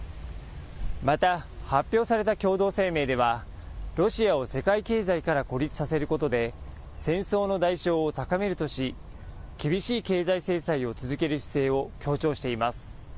また、発表された共同声明では、ロシアを世界経済から孤立させることで、戦争の代償を高めるとし、厳しい経済制裁を続ける姿勢を強調しています。